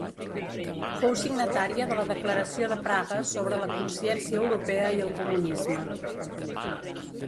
Fou signatària de la Declaració de Praga sobre la consciència europea i el comunisme.